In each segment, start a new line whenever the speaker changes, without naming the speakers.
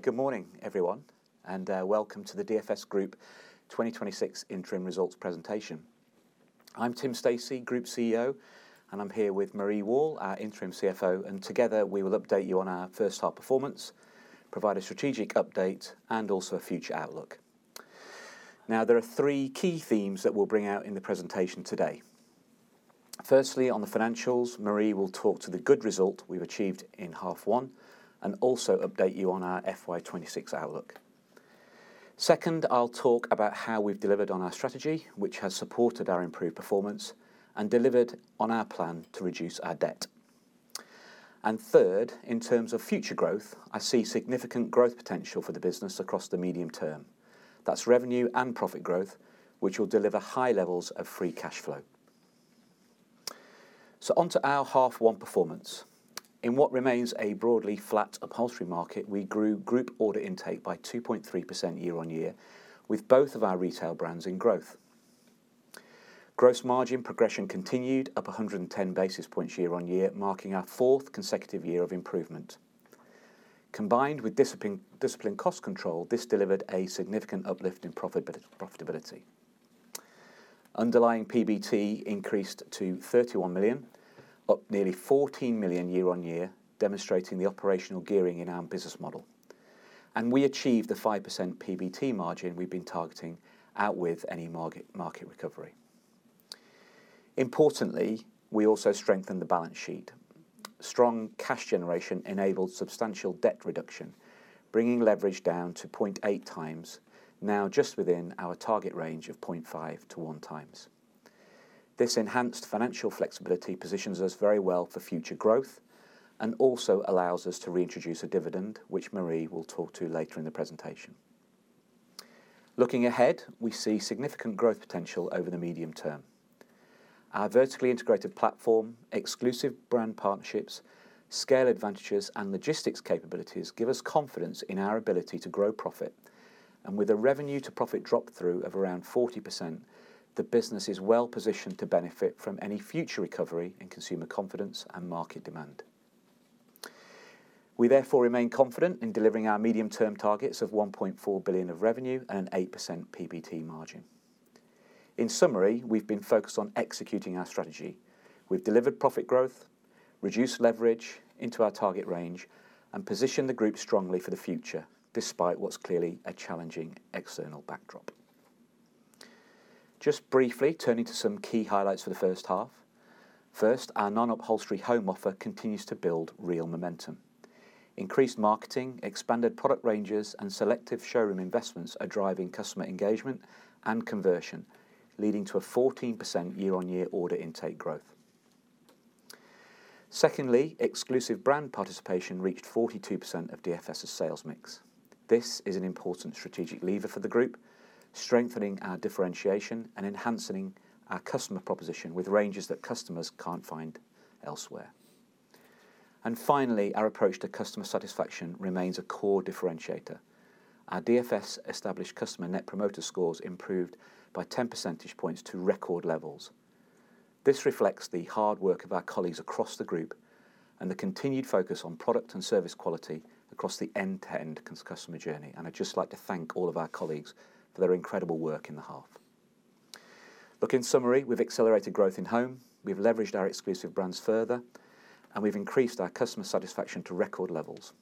Good morning, everyone, and welcome to the DFS Group 2026 interim results presentation. I'm Tim Stacey, Group CEO, and I'm here with Marie Wall, our Interim CFO, and together we will update you on our first half performance, provide a strategic update, and also a future outlook. Now, there are three key themes that we'll bring out in the presentation today. Firstly, on the financials, Marie will talk to the good result we've achieved in half one, and also update you on our FY 2026 outlook. Second, I'll talk about how we've delivered on our strategy, which has supported our improved performance and delivered on our plan to reduce our debt. Third, in terms of future growth, I see significant growth potential for the business across the medium term. That's revenue and profit growth, which will deliver high levels of free cash flow. Onto our half one performance. In what remains a broadly flat upholstery market, we grew group order intake by 2.3% year-on-year, with both of our retail brands in growth. Gross margin progression continued up 110 basis points year-on-year, marking our fourth consecutive year of improvement. Combined with discipline cost control, this delivered a significant uplift in profitability. Underlying PBT increased to 31 million, up nearly 14 million year-on-year, demonstrating the operational gearing in our business model. We achieved the 5% PBT margin we've been targeting outwith any market recovery. Importantly, we also strengthened the balance sheet. Strong cash generation enabled substantial debt reduction, bringing leverage down to 0.8 times, now just within our target range of 0.5-1 times. This enhanced financial flexibility positions us very well for future growth and also allows us to reintroduce a dividend, which Marie will talk to later in the presentation. Looking ahead, we see significant growth potential over the medium term. Our vertically integrated platform, exclusive brand partnerships, scale advantages, and logistics capabilities give us confidence in our ability to grow profit. With a revenue to profit drop-through of around 40%, the business is well-positioned to benefit from any future recovery in consumer confidence and market demand. We therefore remain confident in delivering our medium-term targets of 1.4 billion of revenue and 8% PBT margin. In summary, we've been focused on executing our strategy. We've delivered profit growth, reduced leverage into our target range, and positioned the group strongly for the future, despite what's clearly a challenging external backdrop. Just briefly turning to some key highlights for the first half. First, our non-upholstery home offer continues to build real momentum. Increased marketing, expanded product ranges, and selective showroom investments are driving customer engagement and conversion, leading to a 14% year-on-year order intake growth. Secondly, exclusive brand participation reached 42% of DFS's sales mix. This is an important strategic lever for the group, strengthening our differentiation and enhancing our customer proposition with ranges that customers can't find elsewhere. Finally, our approach to customer satisfaction remains a core differentiator. Our DFS-established customer Net Promoter Scores improved by 10 percentage points to record levels. This reflects the hard work of our colleagues across the group and the continued focus on product and service quality across the end-to-end customer journey, and I'd just like to thank all of our colleagues for their incredible work in the half. Look, in summary, we've accelerated growth in home, we've leveraged our exclusive brands further, and we've increased our customer satisfaction to record levels.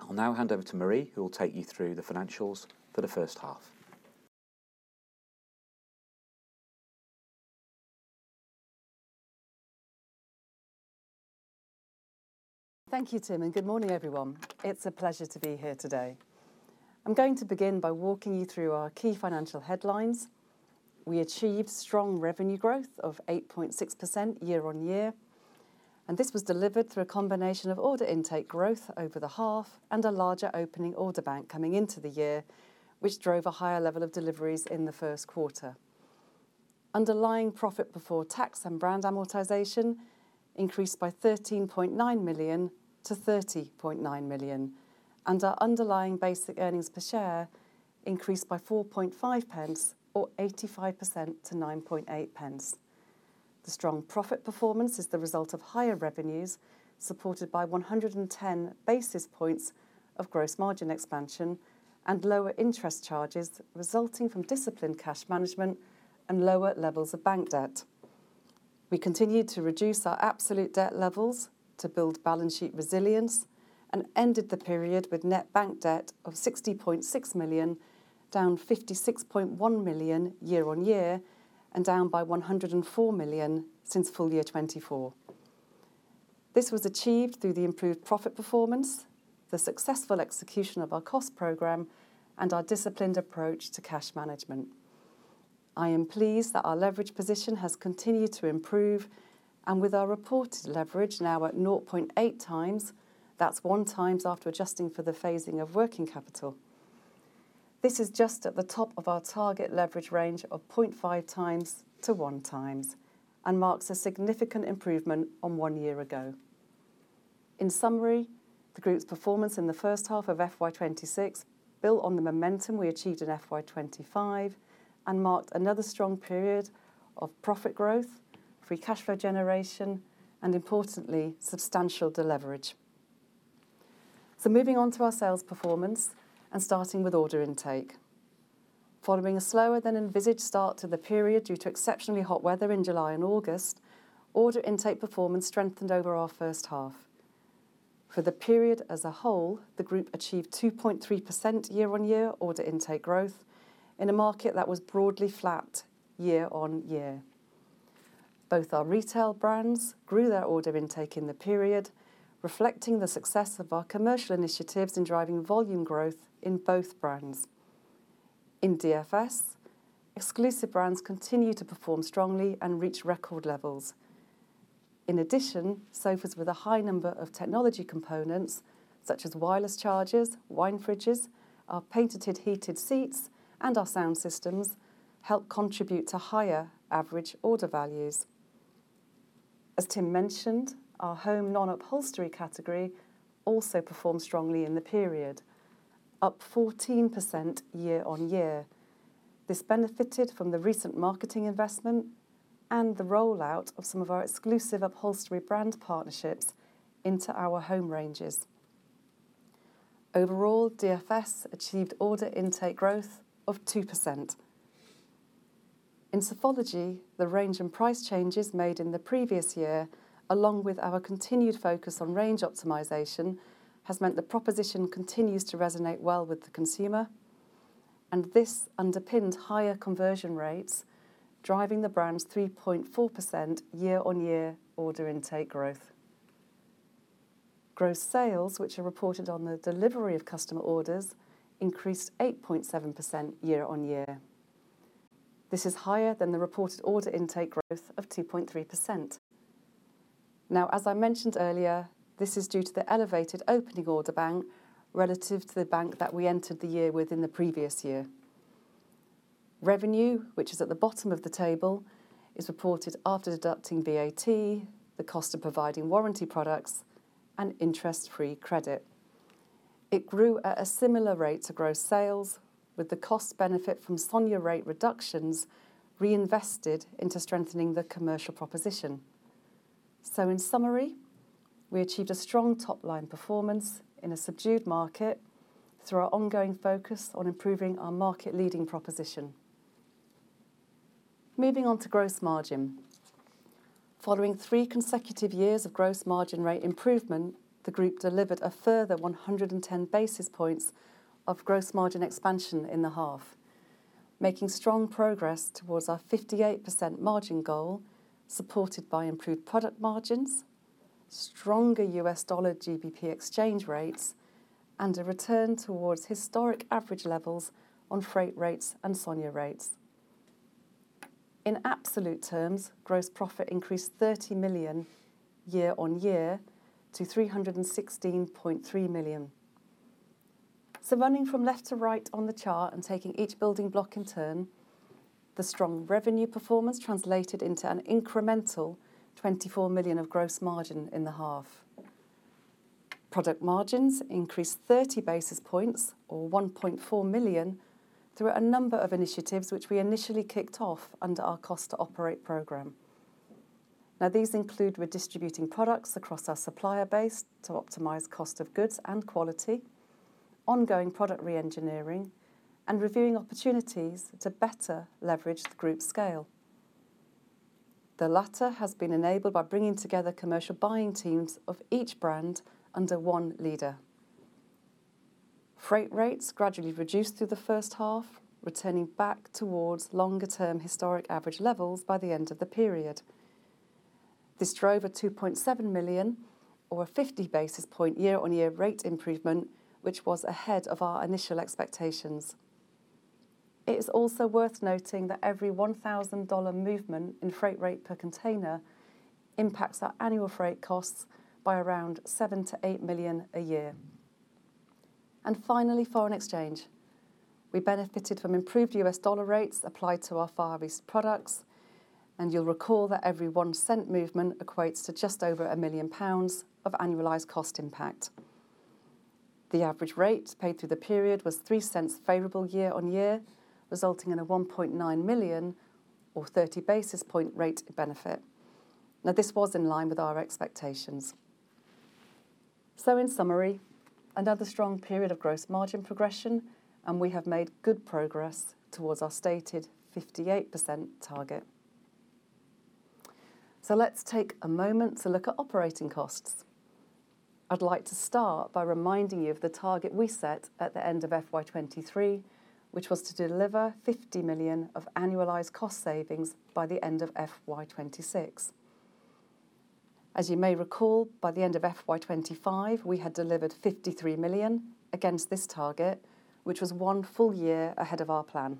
I'll now hand over to Marie, who will take you through the financials for the first half.
Thank you, Tim, and good morning, everyone. It's a pleasure to be here today. I'm going to begin by walking you through our key financial headlines. We achieved strong revenue growth of 8.6% year-on-year, and this was delivered through a combination of order intake growth over the half and a larger opening order bank coming into the year, which drove a higher level of deliveries in the Q1. Underlying profit before tax and brand amortization increased by 13.9 million to 30.9 million, and our underlying basic earnings per share increased by 4.5 pence or 85% to 9.8 pence. The strong profit performance is the result of higher revenues, supported by 110 basis points of gross margin expansion and lower interest charges resulting from disciplined cash management and lower levels of bank debt. We continued to reduce our absolute debt levels to build balance sheet resilience and ended the period with net bank debt of 60.6 million, down 56.1 million year-on-year, and down by 104 million since full year 2024. This was achieved through the improved profit performance, the successful execution of our cost program, and our disciplined approach to cash management. I am pleased that our leverage position has continued to improve and with our reported leverage now at 0.8 times, that's 1 times after adjusting for the phasing of working capital. This is just at the top of our target leverage range of 0.5 times to 1 times and marks a significant improvement on one year ago. In summary, the group's performance in the first half of FY 2026 built on the momentum we achieved in FY 2025 and marked another strong period of profit growth. Free cash flow generation, and importantly, substantial deleverage. Moving on to our sales performance and starting with order intake. Following a slower than envisaged start to the period due to exceptionally hot weather in July and August, order intake performance strengthened over our first half. For the period as a whole, the group achieved 2.3% year-on-year order intake growth in a market that was broadly flat year-on-year. Both our retail brands grew their order intake in the period, reflecting the success of our commercial initiatives in driving volume growth in both brands. In DFS, exclusive brands continue to perform strongly and reach record levels. In addition, sofas with a high number of technology components such as wireless chargers, wine fridges, our patented heated seats, and our sound systems help contribute to higher average order values. As Tim mentioned, our home non-upholstery category also performed strongly in the period, up 14% year-on-year. This benefited from the recent marketing investment and the rollout of some of our exclusive upholstery brand partnerships into our home ranges. Overall, DFS achieved order intake growth of 2%. In Sofology, the range and price changes made in the previous year, along with our continued focus on range optimization, has meant the proposition continues to resonate well with the consumer, and this underpinned higher conversion rates, driving the brand's 3.4% year-on-year order intake growth. Gross sales, which are reported on the delivery of customer orders, increased 8.7% year-on-year. This is higher than the reported order intake growth of 2.3%. Now as I mentioned earlier, this is due to the elevated opening order bank relative to the bank that we entered the year with in the previous year. Revenue, which is at the bottom of the table, is reported after deducting VAT, the cost of providing warranty products, and interest-free credit. It grew at a similar rate to gross sales, with the cost benefit from SONIA rate reductions reinvested into strengthening the commercial proposition. In summary, we achieved a strong top-line performance in a subdued market through our ongoing focus on improving our market-leading proposition. Moving on to gross margin. Following three consecutive years of gross margin rate improvement, the group delivered a further 110 basis points of gross margin expansion in the half, making strong progress towards our 58% margin goal, supported by improved product margins, stronger US dollar GBP exchange rates, and a return towards historic average levels on freight rates and SONIA rates. In absolute terms, gross profit increased £30 million year-on-year to £316.3 million. Running from left to right on the chart and taking each building block in turn, the strong revenue performance translated into an incremental £24 million of gross margin in the half. Product margins increased 30 basis points or £1.4 million through a number of initiatives which we initially kicked off under our cost to operate program. These include redistributing products across our supplier base to optimize cost of goods and quality, ongoing product reengineering, and reviewing opportunities to better leverage the group scale. The latter has been enabled by bringing together commercial buying teams of each brand under one leader. Freight rates gradually reduced through the first half, returning back towards longer-term historic average levels by the end of the period. This drove a 2.7 million or a 50 basis point year-on-year rate improvement, which was ahead of our initial expectations. It is also worth noting that every $1,000 movement in freight rate per container impacts our annual freight costs by around 7-8 million a year. Finally, foreign exchange. We benefited from improved US dollar rates applied to our Far East products, and you'll recall that every $0.01 movement equates to just over 1 million pounds of annualized cost impact. The average rate paid through the period was $0.03 favorable year-on-year, resulting in a 1.9 million or 30 basis points rate benefit. Now this was in line with our expectations. In summary, another strong period of gross margin progression, and we have made good progress towards our stated 58% target. Let's take a moment to look at operating costs. I'd like to start by reminding you of the target we set at the end of FY 2023, which was to deliver 50 million of annualized cost savings by the end of FY 2026. As you may recall, by the end of FY 2025, we had delivered 53 million against this target, which was one full year ahead of our plan.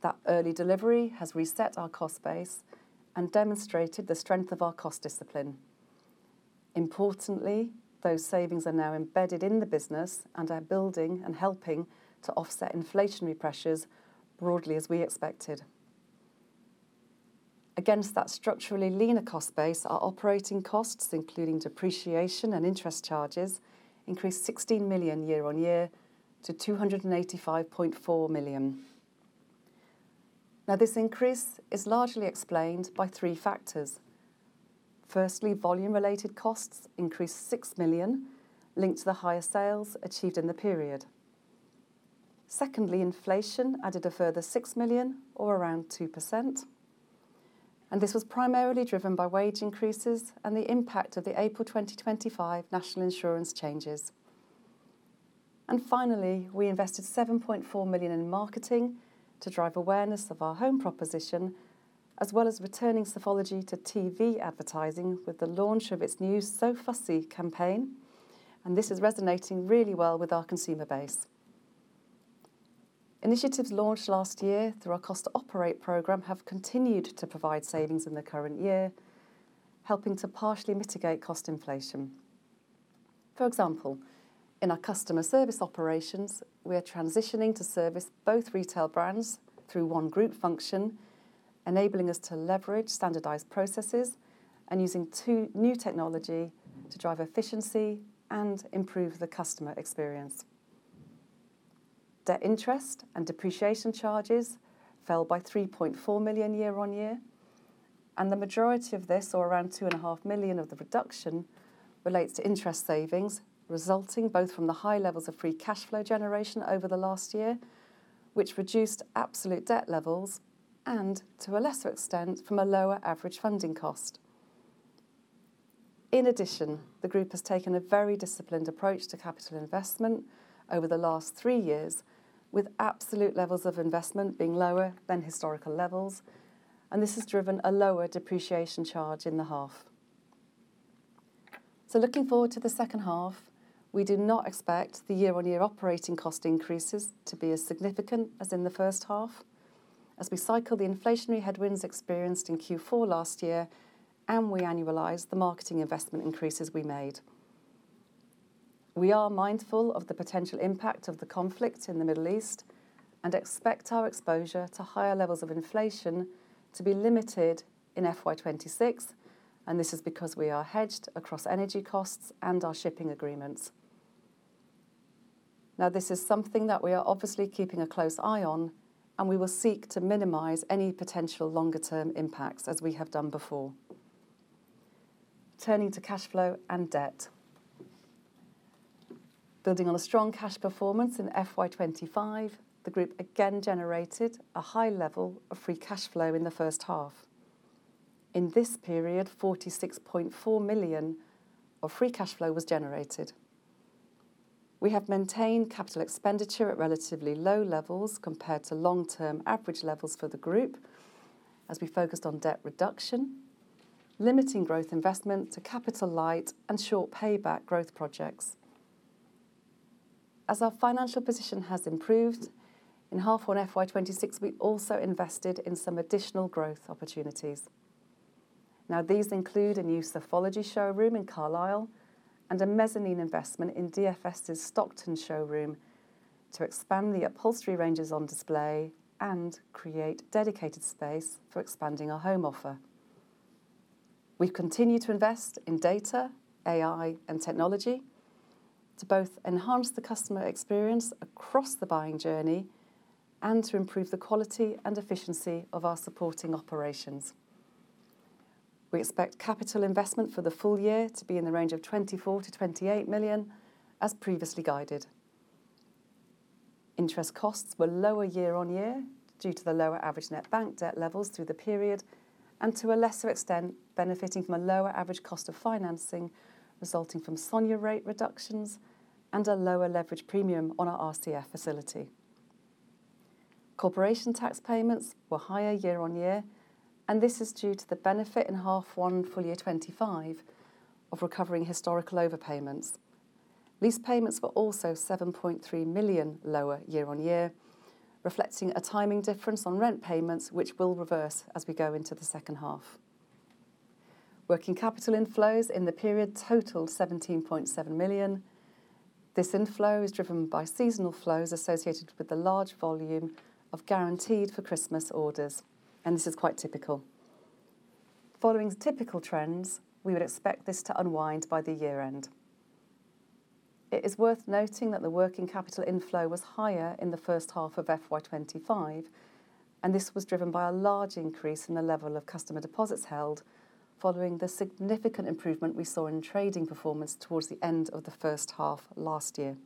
That early delivery has reset our cost base and demonstrated the strength of our cost discipline. Importantly, those savings are now embedded in the business and are building and helping to offset inflationary pressures broadly as we expected. Against that structurally leaner cost base, our operating costs, including depreciation and interest charges, increased 16 million year on year to 285.4 million. Now this increase is largely explained by three factors. Firstly, volume related costs increased 6 million linked to the higher sales achieved in the period. Secondly, inflation added a further 6 million or around 2%, and this was primarily driven by wage increases and the impact of the April 2025 National Insurance changes. Finally, we invested 7.4 million in marketing to drive awareness of our home proposition, as well as returning Sofology to TV advertising with the launch of its new So Fussy campaign, and this is resonating really well with our consumer base. Initiatives launched last year through our cost to operate program have continued to provide savings in the current year, helping to partially mitigate cost inflation. For example, in our customer service operations, we are transitioning to service both retail brands through one group function, enabling us to leverage standardized processes and using two new technologies to drive efficiency and improve the customer experience. Debt interest and depreciation charges fell by 3.4 million year-on-year, and the majority of this, or around 2.5 million of the reduction, relates to interest savings resulting both from the high levels of free cash flow generation over the last year, which reduced absolute debt levels and to a lesser extent, from a lower average funding cost. In addition, the group has taken a very disciplined approach to capital investment over the last three years, with absolute levels of investment being lower than historical levels, and this has driven a lower depreciation charge in the half. Looking forward to the second half, we do not expect the year-on-year operating cost increases to be as significant as in the first half as we cycle the inflationary headwinds experienced in Q4 last year and we annualize the marketing investment increases we made. We are mindful of the potential impact of the conflict in the Middle East and expect our exposure to higher levels of inflation to be limited in FY 2026, and this is because we are hedged across energy costs and our shipping agreements. Now, this is something that we are obviously keeping a close eye on, and we will seek to minimize any potential longer term impacts as we have done before. Turning to cash flow and debt. Building on a strong cash performance in FY 2025, the group again generated a high level of free cash flow in the first half. In this period, 46.4 million of free cash flow was generated. We have maintained capital expenditure at relatively low levels compared to long term average levels for the group as we focused on debt reduction, limiting growth investment to capital light and short payback growth projects. As our financial position has improved in half one FY 2026, we also invested in some additional growth opportunities. These include a new Sofology showroom in Carlisle and a mezzanine investment in DFS's Stockton showroom to expand the upholstery ranges on display and create dedicated space for expanding our home offer. We continue to invest in data, AI, and technology to both enhance the customer experience across the buying journey and to improve the quality and efficiency of our supporting operations. We expect capital investment for the full year to be in the range of 24 million-28 million as previously guided. Interest costs were lower year-on-year due to the lower average net bank debt levels through the period and to a lesser extent benefiting from a lower average cost of financing resulting from SONIA rate reductions and a lower leverage premium on our RCF facility. Corporation tax payments were higher year-on-year, and this is due to the benefit in H1 FY 2025 of recovering historical overpayments. Lease payments were also 7.3 million lower year-on-year, reflecting a timing difference on rent payments, which will reverse as we go into the second half. Working capital inflows in the period totaled 17.7 million. This inflow is driven by seasonal flows associated with the large volume of guaranteed for Christmas orders, and this is quite typical. Following typical trends, we would expect this to unwind by the year-end. It is worth noting that the working capital inflow was higher in the first half of FY 2025, and this was driven by a large increase in the level of customer deposits held following the significant improvement we saw in trading performance towards the end of the first half last year.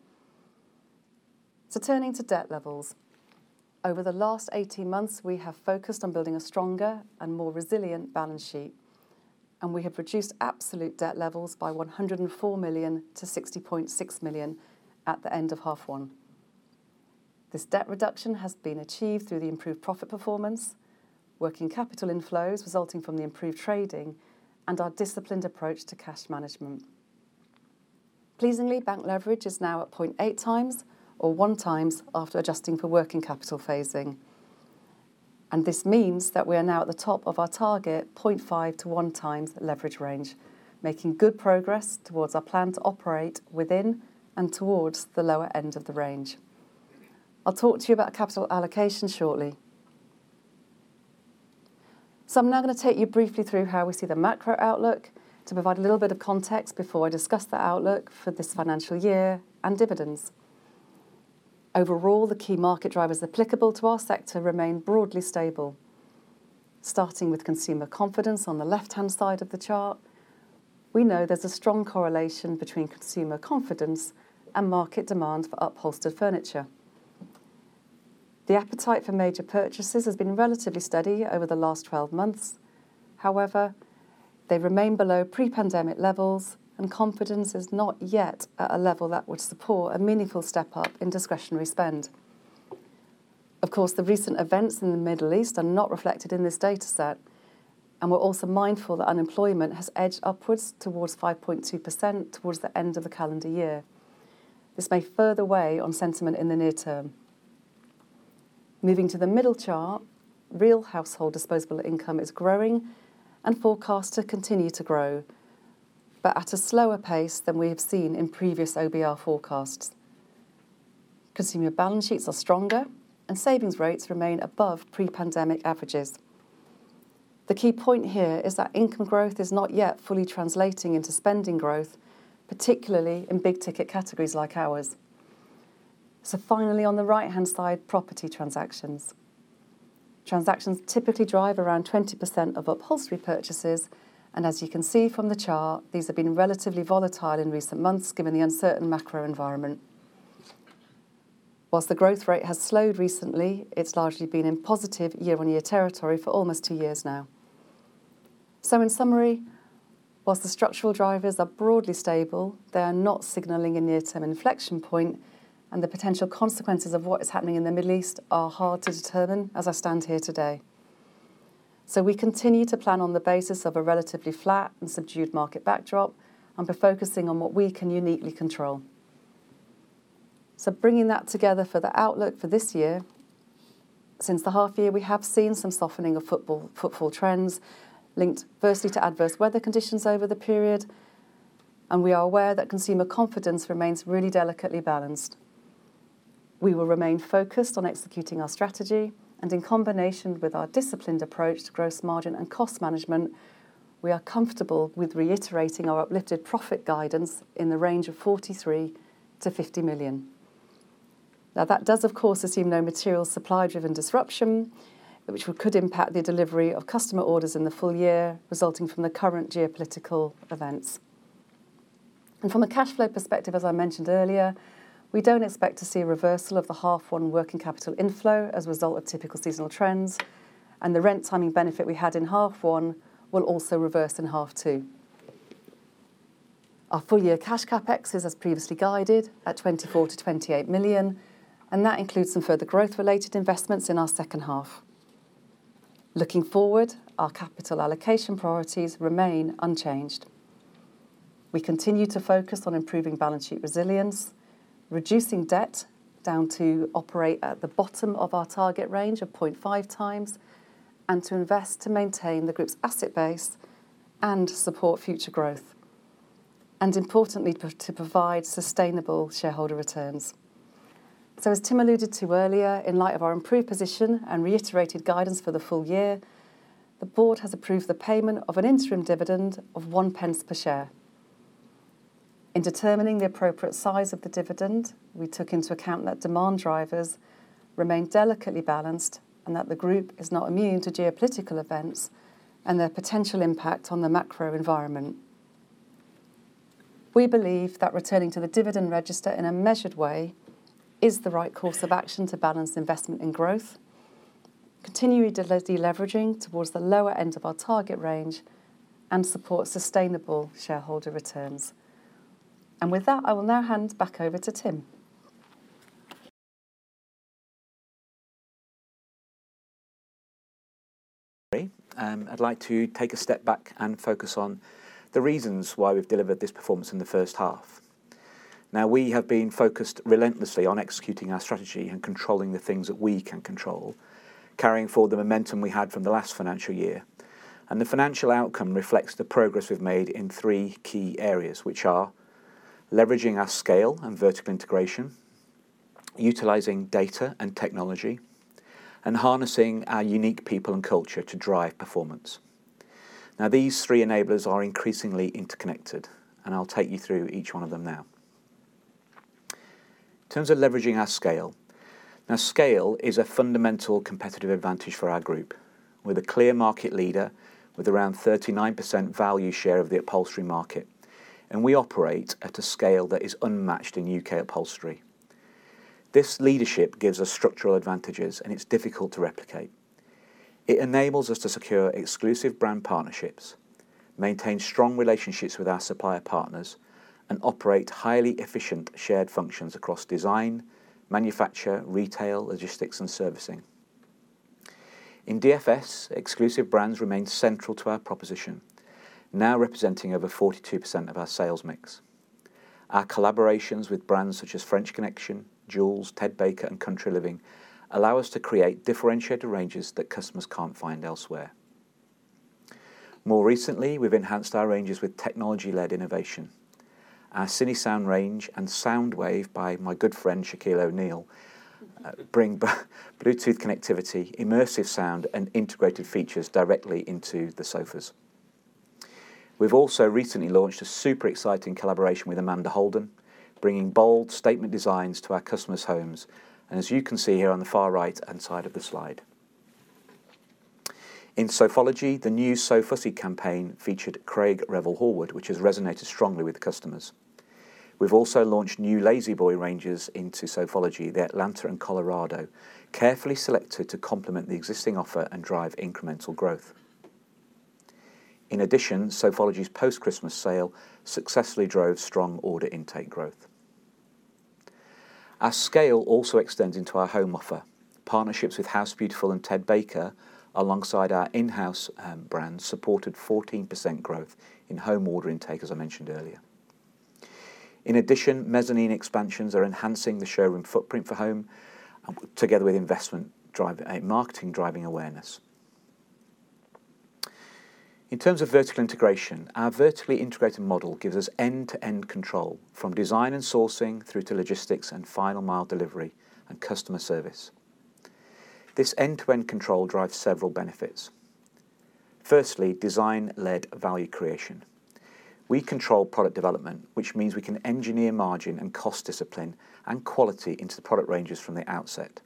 Turning to debt levels. Over the last 18 months we have focused on building a stronger and more resilient balance sheet, and we have reduced absolute debt levels by 104 million to 60.6 million at the end of half one. This debt reduction has been achieved through the improved profit performance, working capital inflows resulting from the improved trading and our disciplined approach to cash management. Pleasingly, bank leverage is now at 0.8 times or 1 times after adjusting for working capital phasing. This means that we are now at the top of our target 0.5-1 times leverage range, making good progress towards our plan to operate within and towards the lower end of the range. I'll talk to you about capital allocation shortly. I'm now going to take you briefly through how we see the macro outlook to provide a little bit of context before I discuss the outlook for this financial year and dividends. Overall, the key market drivers applicable to our sector remain broadly stable. Starting with consumer confidence on the left-hand side of the chart, we know there's a strong correlation between consumer confidence and market demand for upholstered furniture. The appetite for major purchases has been relatively steady over the last 12 months. However, they remain below pre-pandemic levels, and confidence is not yet at a level that would support a meaningful step up in discretionary spend. Of course, the recent events in the Middle East are not reflected in this data set, and we're also mindful that unemployment has edged upwards towards 5.2% towards the end of the calendar year. This may further weigh on sentiment in the near term. Moving to the middle chart, real household disposable income is growing and forecast to continue to grow, but at a slower pace than we have seen in previous OBR forecasts. Consumer balance sheets are stronger and savings rates remain above pre-pandemic averages. The key point here is that income growth is not yet fully translating into spending growth, particularly in big-ticket categories like ours. Finally, on the right-hand side, property transactions. Transactions typically drive around 20% of upholstery purchases, and as you can see from the chart, these have been relatively volatile in recent months given the uncertain macro environment. While the growth rate has slowed recently, it's largely been in positive year-over-year territory for almost two years now. In summary, while the structural drivers are broadly stable, they are not signaling a near-term inflection point, and the potential consequences of what is happening in the Middle East are hard to determine as I stand here today. We continue to plan on the basis of a relatively flat and subdued market backdrop and by focusing on what we can uniquely control. Bringing that together for the outlook for this year. Since the half year, we have seen some softening of footfall trends linked firstly to adverse weather conditions over the period, and we are aware that consumer confidence remains really delicately balanced. We will remain focused on executing our strategy and in combination with our disciplined approach to gross margin and cost management, we are comfortable with reiterating our uplifted profit guidance in the range of 43 million-50 million. Now, that does of course assume no material supply-driven disruption which could impact the delivery of customer orders in the full year resulting from the current geopolitical events. From a cash flow perspective, as I mentioned earlier, we don't expect to see a reversal of the half one working capital inflow as a result of typical seasonal trends and the rent timing benefit we had in half one will also reverse in half two. Our full year cash CapEx is as previously guided at 24 million-28 million, and that includes some further growth related investments in our second half. Looking forward, our capital allocation priorities remain unchanged. We continue to focus on improving balance sheet resilience, reducing debt down to operate at the bottom of our target range of 0.5x, and to invest to maintain the Group's asset base and support future growth, and importantly, to provide sustainable shareholder returns. As Tim alluded to earlier, in light of our improved position and reiterated guidance for the full year, the Board has approved the payment of an interim dividend of 1 pence per share. In determining the appropriate size of the dividend, we took into account that demand drivers remain delicately balanced and that the Group is not immune to geopolitical events and their potential impact on the macro environment. We believe that returning to the dividend register in a measured way is the right course of action to balance investment in growth, continuing de-leveraging towards the lower end of our target range, and support sustainable shareholder returns. With that, I will now hand back over to Tim.
I'd like to take a step back and focus on the reasons why we've delivered this performance in the first half. Now, we have been focused relentlessly on executing our strategy and controlling the things that we can control, carrying forward the momentum we had from the last financial year. The financial outcome reflects the progress we've made in three key areas which are leveraging our scale and vertical integration, utilizing data and technology, and harnessing our unique people and culture to drive performance. Now, these three enablers are increasingly interconnected, and I'll take you through each one of them now. In terms of leveraging our scale. Now, scale is a fundamental competitive advantage for our group, with a clear market leader with around 39% value share of the upholstery market, and we operate at a scale that is unmatched in U.K. upholstery. This leadership gives us structural advantages, and it's difficult to replicate. It enables us to secure exclusive brand partnerships, maintain strong relationships with our supplier partners, and operate highly efficient shared functions across design, manufacture, retail, logistics and servicing. In DFS, exclusive brands remain central to our proposition. Now representing over 42% of our sales mix. Our collaborations with brands such as French Connection, Joules, Ted Baker and Country Living allow us to create differentiated ranges that customers can't find elsewhere. More recently, we've enhanced our ranges with technology-led innovation. Our Cinesound range and Soundwave by my good friend Shaquille O'Neal bring Bluetooth connectivity, immersive sound, and integrated features directly into the sofas. We've also recently launched a super exciting collaboration with Amanda Holden, bringing bold statement designs to our customers' homes, and as you can see here on the far right-hand side of the slide. In Sofology, the new So Fussy campaign featured Craig Revel Horwood, which has resonated strongly with customers. We've also launched new La-Z-Boy ranges into Sofology, the Atlanta and Colorado, carefully selected to complement the existing offer and drive incremental growth. In addition, Sofology's post-Christmas sale successfully drove strong order intake growth. Our scale also extends into our home offer. Partnerships with House Beautiful and Ted Baker, alongside our in-house, brand, supported 14% growth in home order intake, as I mentioned earlier. In addition, mezzanine expansions are enhancing the showroom footprint for home, together with marketing driving awareness. In terms of vertical integration, our vertically integrated model gives us end-to-end control from design and sourcing through to logistics and final mile delivery and customer service. This end-to-end control drives several benefits. Firstly, design-led value creation. We control product development, which means we can engineer margin and cost discipline and quality into the product ranges from the outset.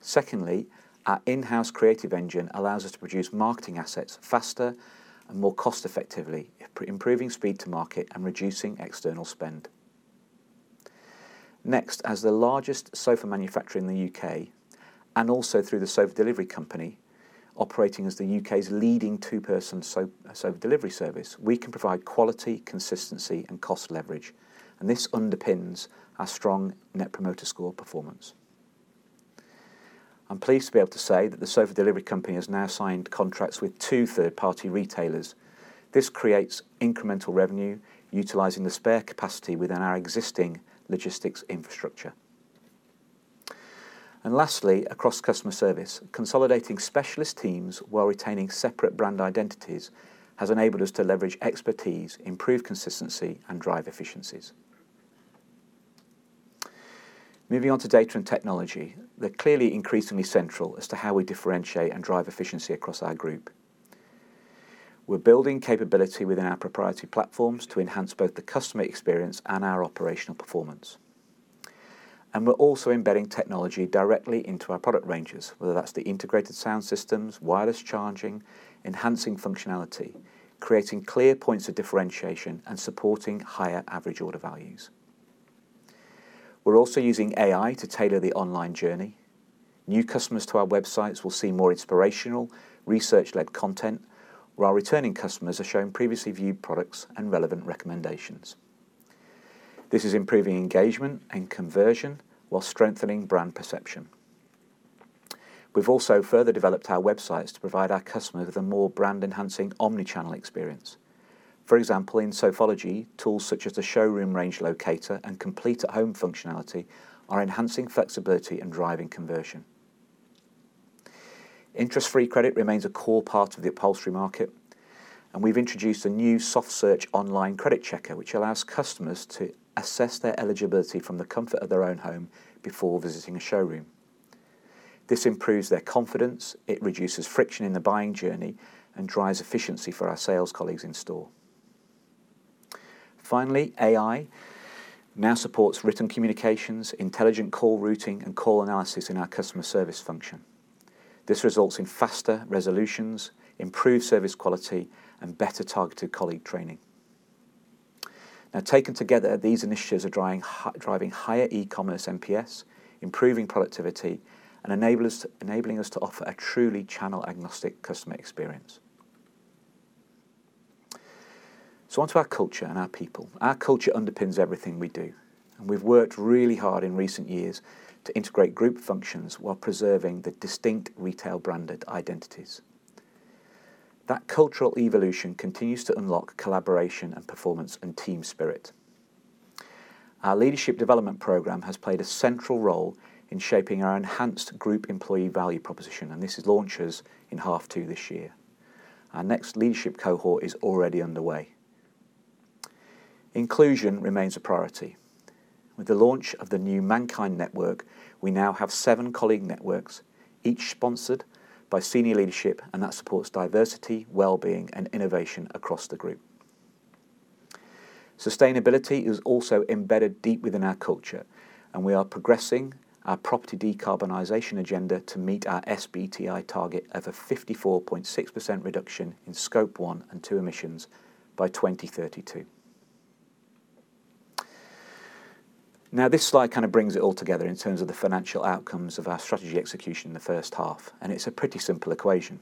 Secondly, our in-house creative engine allows us to produce marketing assets faster and more cost-effectively, improving speed to market and reducing external spend. Next, as the largest sofa manufacturer in the UK, and also through The Sofa Delivery Company, operating as the UK's leading two-person sofa delivery service, we can provide quality, consistency and cost leverage, and this underpins our strong Net Promoter Score performance. I'm pleased to be able to say that The Sofa Delivery Company has now signed contracts with two third-party retailers. This creates incremental revenue utilizing the spare capacity within our existing logistics infrastructure. Lastly, across customer service, consolidating specialist teams while retaining separate brand identities has enabled us to leverage expertise, improve consistency, and drive efficiencies. Moving on to data and technology. They're clearly increasingly central as to how we differentiate and drive efficiency across our group. We're building capability within our proprietary platforms to enhance both the customer experience and our operational performance. We're also embedding technology directly into our product ranges, whether that's the integrated sound systems, wireless charging, enhancing functionality, creating clear points of differentiation, and supporting higher average order values. We're also using AI to tailor the online journey. New customers to our websites will see more inspirational, research-led content, while returning customers are shown previously viewed products and relevant recommendations. This is improving engagement and conversion while strengthening brand perception. We've also further developed our websites to provide our customers with a more brand-enhancing omni-channel experience. For example, in Sofology, tools such as the showroom range locator and complete at-home functionality are enhancing flexibility and driving conversion. Interest-free credit remains a core part of the upholstery market, and we've introduced a new soft search online credit checker, which allows customers to assess their eligibility from the comfort of their own home before visiting a showroom. This improves their confidence. It reduces friction in the buying journey, and drives efficiency for our sales colleagues in store. Finally, AI now supports written communications, intelligent call routing, and call analysis in our customer service function. This results in faster resolutions, improved service quality, and better targeted colleague training. Now, taken together, these initiatives are driving higher e-commerce NPS, improving productivity, and enabling us to offer a truly channel-agnostic customer experience. On to our culture and our people. Our culture underpins everything we do, and we've worked really hard in recent years to integrate group functions while preserving the distinct retail branded identities. That cultural evolution continues to unlock collaboration and performance and team spirit. Our leadership development program has played a central role in shaping our enhanced group employee value proposition, and this launches in H2 this year. Our next leadership cohort is already underway. Inclusion remains a priority. With the launch of the new ManKind network, we now have seven colleague networks, each sponsored by senior leadership, and that supports diversity, wellbeing, and innovation across the group. Sustainability is also embedded deep within our culture, and we are progressing our property decarbonization agenda to meet our SBTi target of a 54.6% reduction in scope one and two emissions by 2032. Now, this slide kind of brings it all together in terms of the financial outcomes of our strategy execution in the first half, and it's a pretty simple equation.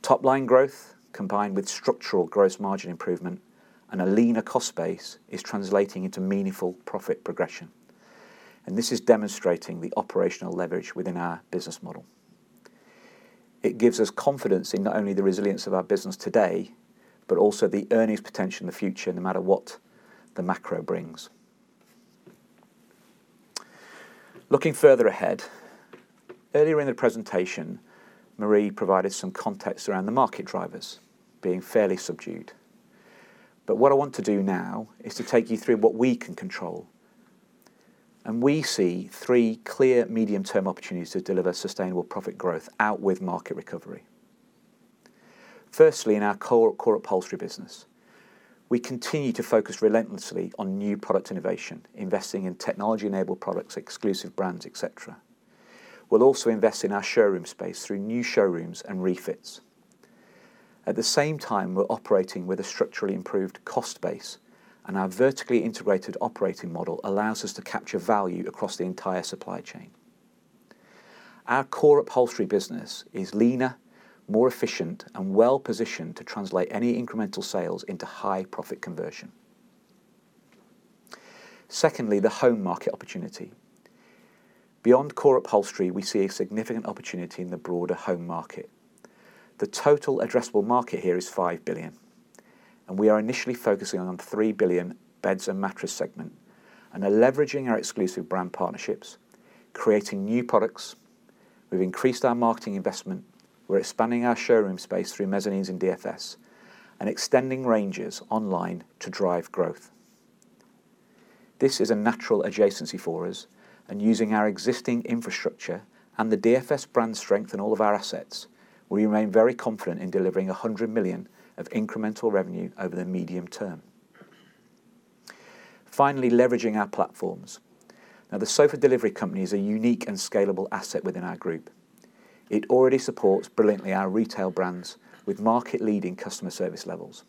Top-line growth, combined with structural gross margin improvement and a leaner cost base, is translating into meaningful profit progression, and this is demonstrating the operational leverage within our business model. It gives us confidence in not only the resilience of our business today, but also the earnings potential in the future, no matter what the macro brings. Looking further ahead, earlier in the presentation, Marie provided some context around the market drivers being fairly subdued. What I want to do now is to take you through what we can control. We see three clear medium-term opportunities to deliver sustainable profit growth without market recovery. Firstly, in our core upholstery business, we continue to focus relentlessly on new product innovation, investing in technology-enabled products, exclusive brands, et cetera. We'll also invest in our showroom space through new showrooms and refits. At the same time, we're operating with a structurally improved cost base, and our vertically integrated operating model allows us to capture value across the entire supply chain. Our core upholstery business is leaner, more efficient, and well-positioned to translate any incremental sales into high profit conversion. Secondly, the home market opportunity. Beyond core upholstery, we see a significant opportunity in the broader home market. The total addressable market here is 5 billion, and we are initially focusing on 3 billion beds and mattress segment and are leveraging our exclusive brand partnerships, creating new products. We've increased our marketing investment. We're expanding our showroom space through mezzanines in DFS and extending ranges online to drive growth. This is a natural adjacency for us, and using our existing infrastructure and the DFS brand strength in all of our assets, we remain very confident in delivering 100 million of incremental revenue over the medium term. Finally, leveraging our platforms. Now, The Sofa Delivery Company is a unique and scalable asset within our group. It already supports brilliantly our retail brands with market-leading customer service levels.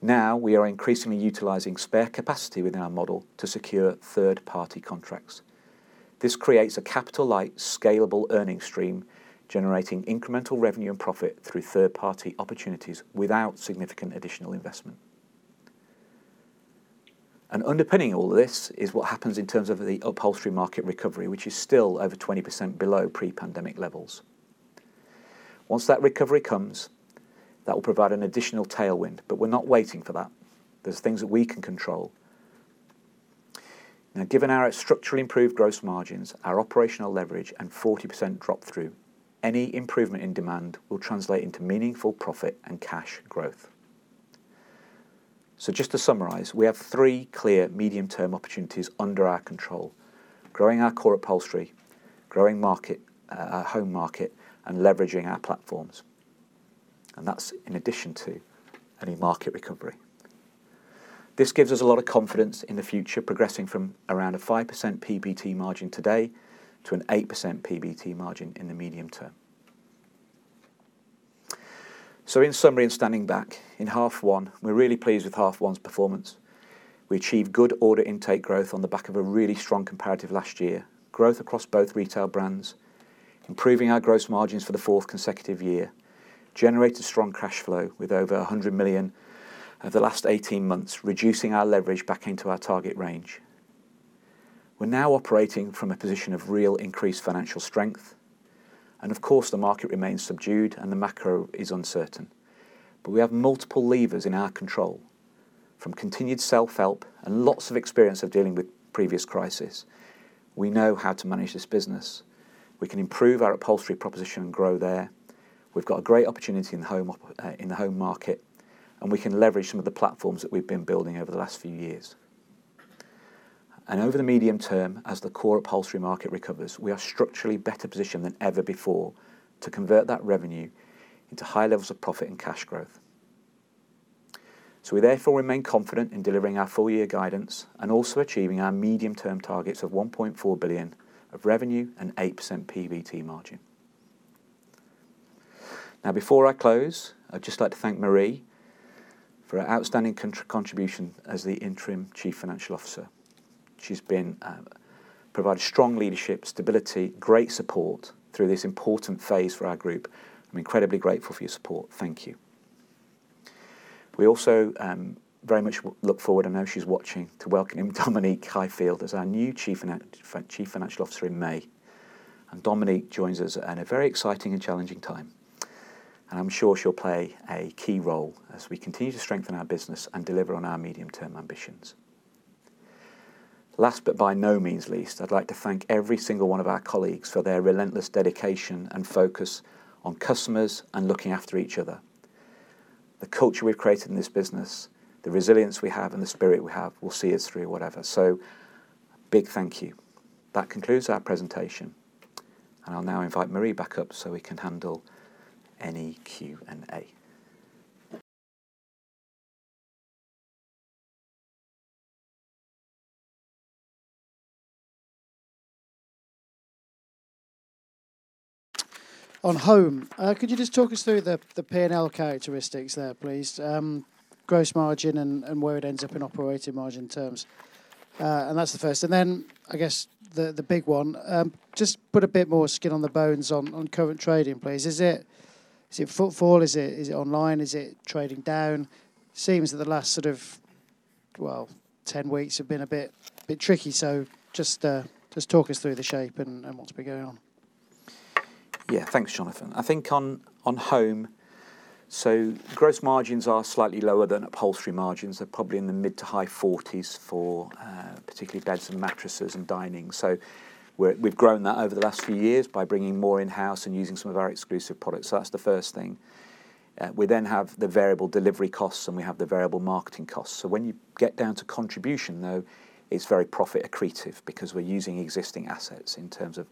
Now we are increasingly utilizing spare capacity within our model to secure third-party contracts. This creates a capital-light, scalable earning stream, generating incremental revenue and profit through third-party opportunities without significant additional investment. Underpinning all this is what happens in terms of the upholstery market recovery, which is still over 20% below pre-pandemic levels. Once that recovery comes, that will provide an additional tailwind, but we're not waiting for that. There's things that we can control. Now, given our structurally improved gross margins, our operational leverage and 40% drop-through, any improvement in demand will translate into meaningful profit and cash growth. Just to summarize, we have three clear medium-term opportunities under our control, growing our core upholstery, growing market, our home market, and leveraging our platforms. That's in addition to any market recovery. This gives us a lot of confidence in the future, progressing from around a 5% PBT margin today to an 8% PBT margin in the medium term. In summary, and standing back, in half one, we're really pleased with half one's performance. We achieved good order intake growth on the back of a really strong comparative last year. Growth across both retail brands, improving our gross margins for the fourth consecutive year, generated strong cash flow with over 100 million over the last 18 months, reducing our leverage back into our target range. We're now operating from a position of real increased financial strength, and of course, the market remains subdued and the macro is uncertain. We have multiple levers in our control. From continued self-help and lots of experience of dealing with previous crisis, we know how to manage this business. We can improve our upholstery proposition and grow there. We've got a great opportunity in the home market, and we can leverage some of the platforms that we've been building over the last few years. Over the medium term, as the core upholstery market recovers, we are structurally better positioned than ever before to convert that revenue into high levels of profit and cash growth. We therefore remain confident in delivering our full-year guidance and also achieving our medium-term targets of 1.4 billion of revenue and 8% PBT margin. Now, before I close, I'd just like to thank Marie for her outstanding contribution as the Interim Chief Financial Officer. She's been provided strong leadership, stability, great support through this important phase for our group. I'm incredibly grateful for your support. Thank you. We also very much look forward, I know she's watching, to welcoming Dominique Highfield as our new Chief Financial Officer in May. Dominique joins us at a very exciting and challenging time, and I'm sure she'll play a key role as we continue to strengthen our business and deliver on our medium-term ambitions. Last but by no means least, I'd like to thank every single one of our colleagues for their relentless dedication and focus on customers and looking after each other. The culture we've created in this business, the resilience we have and the spirit we have will see us through whatever. Big thank you. That concludes our presentation, and I'll now invite Marie back up, so we can handle any Q&A.
On home, could you just talk us through the P&L characteristics there, please? Gross margin and where it ends up in operating margin terms? That's the first. Then I guess the big one, just put a bit more skin on the bones on current trading, please. Is it footfall? Is it online? Is it trading down? Seems that the last sort of well 10 weeks have been a bit tricky. Just talk us through the shape and what's been going on.
Thanks, Jonathan. I think on home, gross margins are slightly lower than upholstery margins. They're probably in the mid to high-40s% for particularly beds and mattresses and dining. We've grown that over the last few years by bringing more in-house and using some of our exclusive products. That's the first thing. We then have the variable delivery costs, and we have the variable marketing costs. When you get down to contribution, though, it's very profit accretive because we're using existing assets in terms of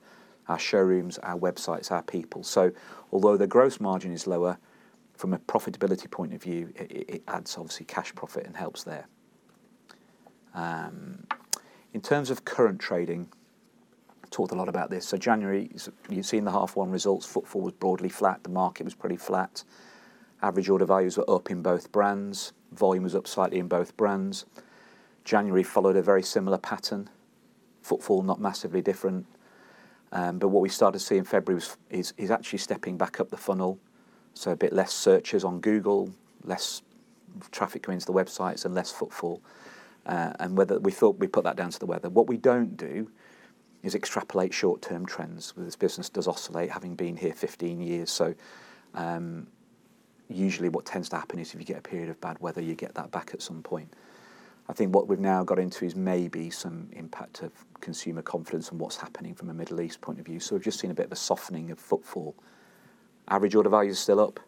our showrooms, our websites, our people. Although the gross margin is lower, from a profitability point of view, it adds obviously cash profit and helps there. In terms of current trading, talked a lot about this. January, you've seen the half one results, footfall was broadly flat. The market was pretty flat. Average order values were up in both brands. Volume was up slightly in both brands. January followed a very similar pattern. Footfall not massively different. But what we started to see in February was actually stepping back up the funnel, so a bit less searches on Google, less traffic going to the websites and less footfall. We thought we put that down to the weather. What we don't do is extrapolate short-term trends, because this business does oscillate, having been here 15 years. Usually what tends to happen is if you get a period of bad weather, you get that back at some point. I think what we've now got into is maybe some impact of consumer confidence and what's happening from a Middle East point of view. We've just seen a bit of a softening of footfall. Average order value is still up.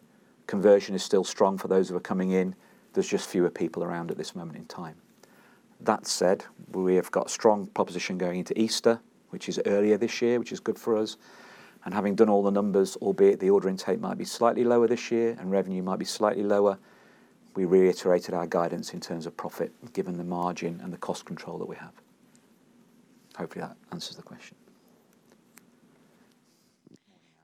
Conversion is still strong for those who are coming in. There's just fewer people around at this moment in time. That said, we have got strong proposition going into Easter, which is earlier this year, which is good for us. Having done all the numbers, albeit the order intake might be slightly lower this year and revenue might be slightly lower, we reiterated our guidance in terms of profit, given the margin and the cost control that we have. Hopefully, that answers the question.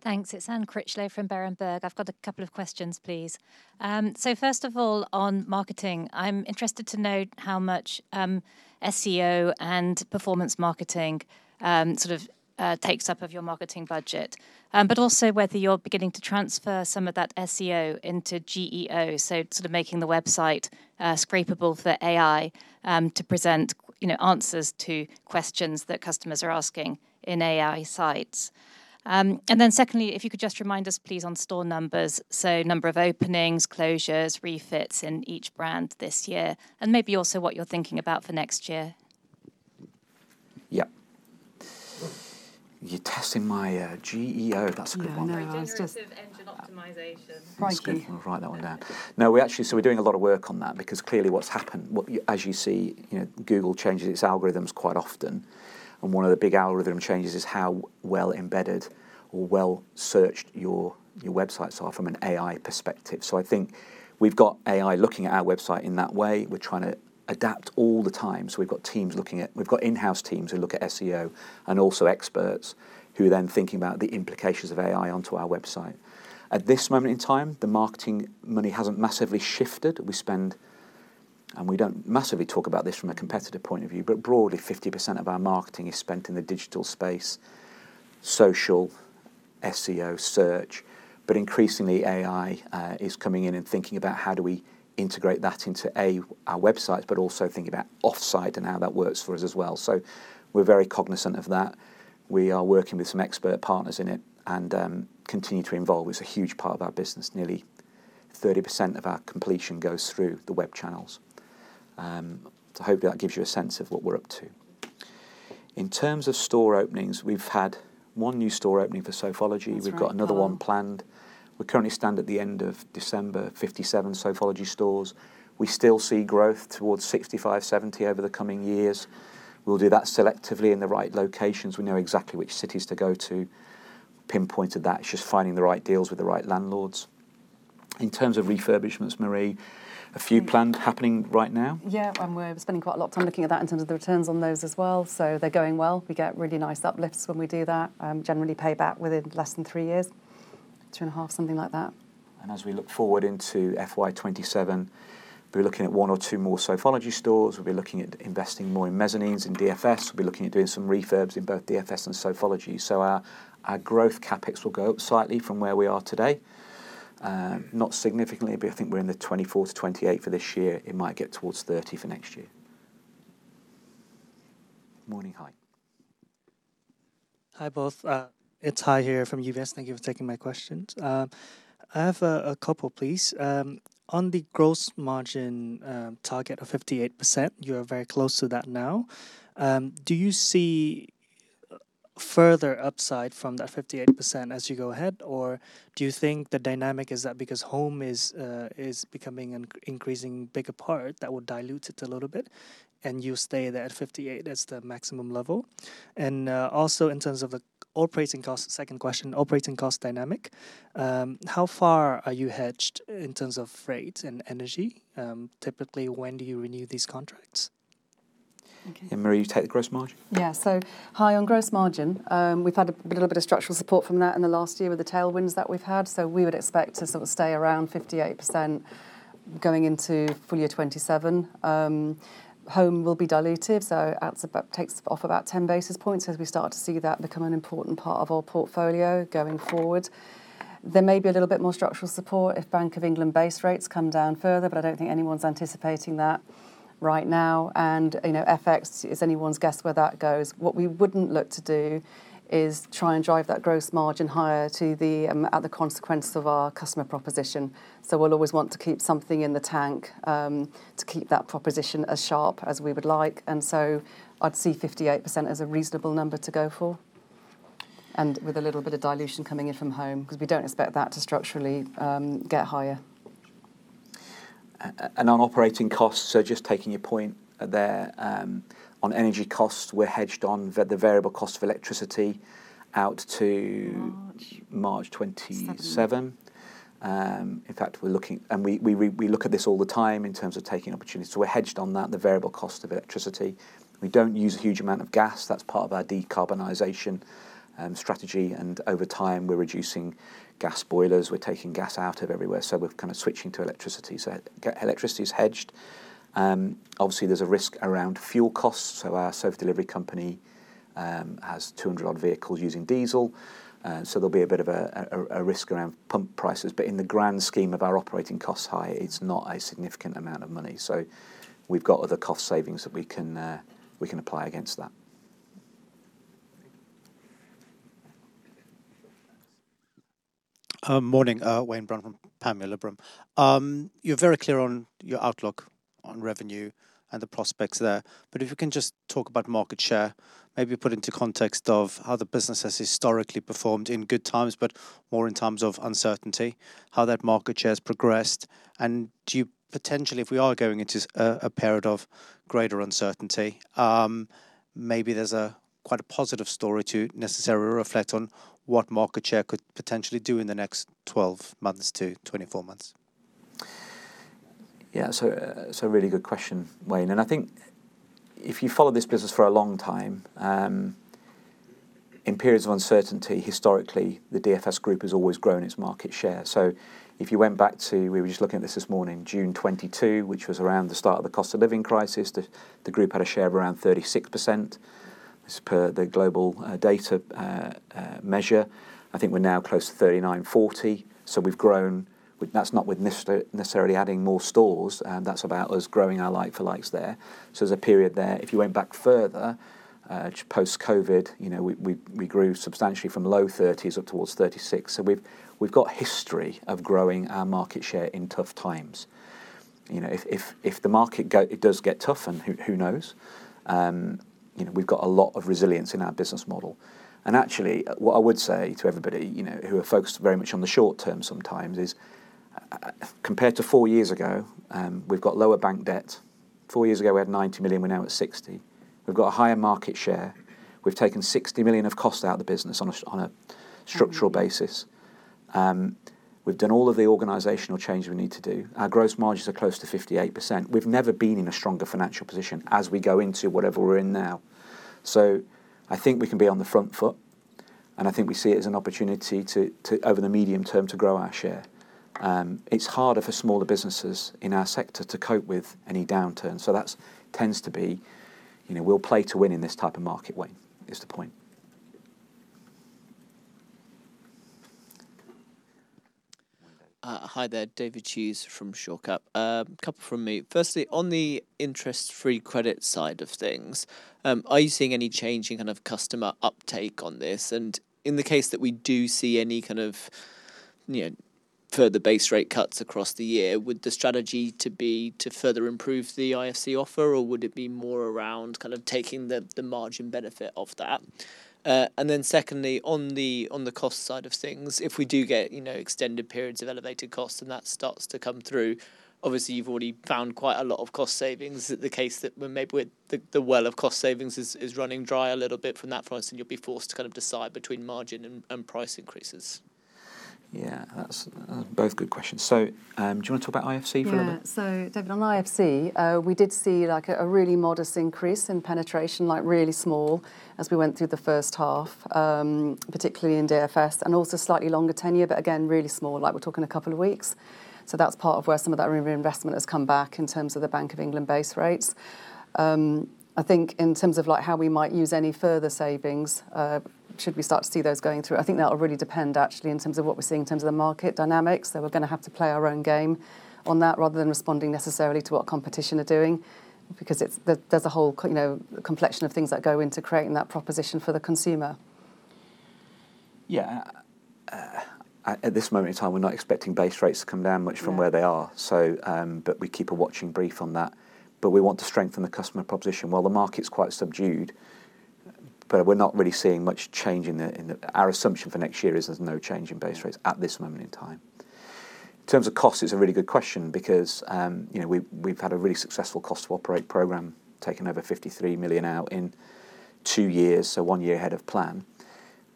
Thanks. It's Anne Critchlow from Berenberg. I've got a couple of questions, please. First of all, on marketing, I'm interested to know how much SEO and performance marketing sort of takes up of your marketing budget, but also whether you're beginning to transfer some of that SEO into GEO, so sort of making the website scrapeable for AI to present, you know, answers to questions that customers are asking in AI sites. Secondly, if you could just remind us, please, on store numbers, so number of openings, closures, refits in each brand this year, and maybe also what you're thinking about for next year.
Yeah. You're testing my GEO. That's a good one.
Yeah. No, I was just.
Generative Engine Optimization.
Sorry.
Let me scribble and write that one down. No, we actually. We're doing a lot of work on that because clearly what's happened, as you see, you know, Google changes its algorithms quite often, and one of the big algorithm changes is how well embedded or well searched your websites are from an AI perspective. I think we've got AI looking at our website in that way. We're trying to adapt all the time. We've got in-house teams who look at SEO and also experts who are then thinking about the implications of AI onto our website. At this moment in time, the marketing money hasn't massively shifted. We spend, and we don't massively talk about this from a competitive point of view, but broadly, 50% of our marketing is spent in the digital space, social, SEO, search. Increasingly, AI is coming in and thinking about how do we integrate that into our websites, but also think about offsite and how that works for us as well. We're very cognizant of that. We are working with some expert partners in it and continue to evolve. It's a huge part of our business. Nearly 30% of our completion goes through the web channels. Hopefully that gives you a sense of what we're up to. In terms of store openings, we've had one new store opening for Sofology.
That's right.
We've got another one planned. We currently stand at the end of December, 57 Sofology stores. We still see growth towards 65, 70 over the coming years. We'll do that selectively in the right locations. We know exactly which cities to go to. Pinpointed that. It's just finding the right deals with the right landlords. In terms of refurbishments, Marie, a few planned happening right now.
Yeah, we're spending quite a lot of time looking at that in terms of the returns on those as well. They're going well. We get really nice uplifts when we do that. Generally pay back within less than three years, two and a half, something like that.
As we look forward into FY 2027, we'll be looking at one or two more Sofology stores. We'll be looking at investing more in mezzanines and DFS. We'll be looking at doing some refurbs in both DFS and Sofology. Our growth CapEx will go up slightly from where we are today. Not significantly, but I think we're in the 24-28 for this year. It might get towards 30 for next year. Morning, Hai.
Hi, both. It's Hai Huynh from UBS. Thank you for taking my questions. I have a couple, please. On the gross margin target of 58%, you are very close to that now. Do you see further upside from that 58% as you go ahead? Or do you think the dynamic is that because home is becoming an increasingly bigger part, that will dilute it a little bit, and you stay there at 58% as the maximum level? Also in terms of operating costs, second question, operating cost dynamic, how far are you hedged in terms of freight and energy? Typically, when do you renew these contracts?
Okay.
Marie, you take the gross margin.
Hai, on gross margin, we've had a little bit of structural support from that in the last year with the tailwinds that we've had. We would expect to sort of stay around 58% going into full year 2027. Home will be diluted, so that takes off about 10 basis points as we start to see that become an important part of our portfolio going forward. There may be a little bit more structural support if Bank of England base rates come down further, but I don't think anyone's anticipating that right now. You know, FX is anyone's guess where that goes. What we wouldn't look to do is try and drive that gross margin higher at the expense of our customer proposition. We'll always want to keep something in the tank, to keep that proposition as sharp as we would like. I'd see 58% as a reasonable number to go for, and with a little bit of dilution coming in from home, 'cause we don't expect that to structurally get higher.
On operating costs, so just taking a point there, on energy costs, we're hedged on the variable cost of electricity out to-
March
March 27. In fact, we're looking. We look at this all the time in terms of taking opportunities. We're hedged on that, the variable cost of electricity. We don't use a huge amount of gas. That's part of our decarbonization strategy, and over time, we're reducing gas boilers. We're taking gas out of everywhere. We're kind of switching to electricity. Green electricity is hedged. Obviously, there's a risk around fuel costs. Our self-delivery company has 200-odd vehicles using diesel, so there'll be a bit of a risk around pump prices. In the grand scheme of our operating costs, it's not a significant amount of money. We've got other cost savings that we can apply against that.
Morning. Wayne Brown from Panmure Gordon. You're very clear on your outlook on revenue and the prospects there. If you can just talk about market share, maybe put into context of how the business has historically performed in good times, but more in times of uncertainty, how that market share has progressed. Do you potentially, if we are going into a period of greater uncertainty, maybe there's quite a positive story to necessarily reflect on what market share could potentially do in the next 12 months to 24 months.
Yeah. So really good question, Wayne. I think if you follow this business for a long time, in periods of uncertainty, historically, the DFS Group has always grown its market share. If you went back to, we were just looking at this this morning, June 2022, which was around the start of the cost of living crisis, the group had a share of around 36% as per the GlobalData measure. I think we're now close to 39%-40%. We've grown. That's not with necessarily adding more stores, and that's about us growing our like for likes there. There's a period there. If you went back further, post-COVID, we grew substantially from low 30% up towards 36%. We've got history of growing our market share in tough times. You know, if the market does get tough and who knows, you know, we've got a lot of resilience in our business model. Actually, what I would say to everybody, you know, who are focused very much on the short term sometimes is, compared to four years ago, we've got lower bank debt. Four years ago, we had 90 million, we're now at 60 million. We've got a higher market share. We've taken 60 million of cost out of the business on a structural basis. We've done all of the organizational change we need to do. Our gross margins are close to 58%. We've never been in a stronger financial position as we go into whatever we're in now. I think we can be on the front foot, and I think we see it as an opportunity to over the medium term to grow our share. It's harder for smaller businesses in our sector to cope with any downturn. That tends to be, you know, we'll play to win in this type of market, Wayne, is the point.
Hi there. David Cheals from Schroders. A couple from me. Firstly, on the interest-free credit side of things, are you seeing any change in kind of customer uptake on this? In the case that we do see any kind of, you know, further base rate cuts across the year, would the strategy be to further improve the IFC offer, or would it be more around kind of taking the margin benefit of that? Secondly, on the cost side of things, if we do get, you know, extended periods of elevated costs and that starts to come through, obviously you've already found quite a lot of cost savings. Is it the case that maybe the well of cost savings is running dry a little bit from that point, so you'll be forced to kind of decide between margin and price increases?
Yeah. That's both good questions. Do you want to talk about IFC for a little bit?
Yeah. David, on IFC, we did see like a really modest increase in penetration, like really small as we went through the first half, particularly in DFS and also slightly longer tenure, but again, really small, like we're talking a couple of weeks. That's part of where some of that reinvestment has come back in terms of the Bank of England base rates. I think in terms of like how we might use any further savings, should we start to see those going through? I think that will really depend actually in terms of what we're seeing in terms of the market dynamics. We're going to have to play our own game on that rather than responding necessarily to what competition are doing because it's there's a whole, you know, complexion of things that go into creating that proposition for the consumer.
Yeah. At this moment in time, we're not expecting base rates to come down much from where they are. We keep a watching brief on that. We want to strengthen the customer proposition while the market's quite subdued. We're not really seeing much change. Our assumption for next year is there's no change in base rates at this moment in time. In terms of costs, it's a really good question because, you know, we've had a really successful cost to operate program, taking over 53 million out in two years, so one year ahead of plan.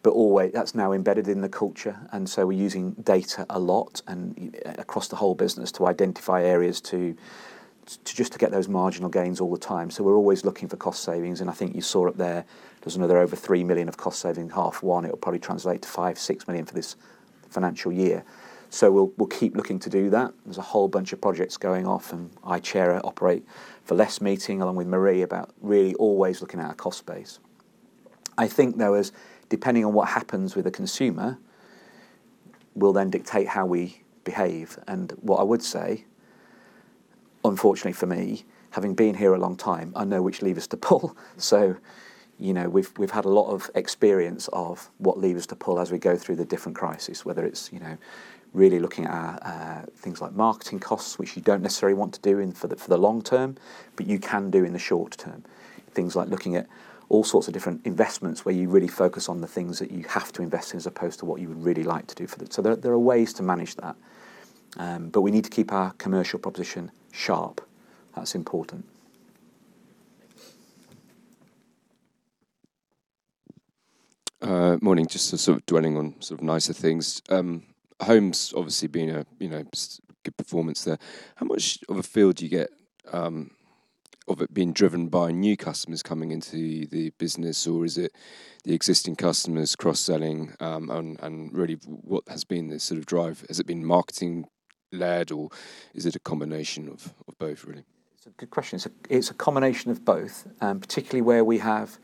That's now embedded in the culture, and so we're using data a lot and, across the whole business to identify areas to just get those marginal gains all the time. We're always looking for cost savings, and I think you saw it there. There's another over 3 million of cost saving in H1. It will probably translate to 5 million-6 million for this financial year. We'll keep looking to do that. There's a whole bunch of projects going off, and I chair Operate for Less meeting along with Marie about really always looking at our cost base. I think though is depending on what happens with the consumer will then dictate how we behave. What I would say, unfortunately for me, having been here a long time, I know which levers to pull. You know, we've had a lot of experience of what levers to pull as we go through the different crises, whether it's, you know, really looking at things like marketing costs, which you don't necessarily want to do in the long term, but you can do in the short term. Things like looking at all sorts of different investments where you really focus on the things that you have to invest in as opposed to what you would really like to do for them. There are ways to manage that. But we need to keep our commercial proposition sharp. That's important.
Morning. Just sort of dwelling on sort of nicer things. Home's obviously been a, you know, good performance there. How much of a feel do you get of it being driven by new customers coming into the business? Or is it the existing customers cross-selling? And really what has been the sort of driver? Has it been marketing-led or is it a combination of both, really?
It's a good question. It's a combination of both, particularly where we have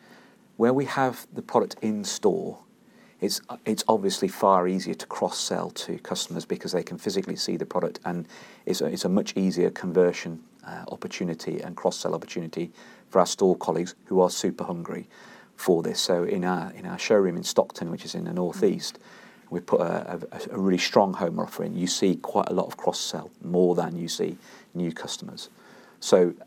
the product in store. It's obviously far easier to cross-sell to customers because they can physically see the product and it's a much easier conversion opportunity and cross-sell opportunity for our store colleagues who are super hungry for this. In our showroom in Stockton, which is in the Northeast, we've put a really strong home offering. You see quite a lot of cross-sell, more than you see new customers.